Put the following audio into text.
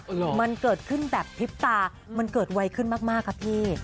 ทัวราศัพท์มันเกิดขึ้นแบบทิศตามันเกิดไวขึ้นมากครับพี่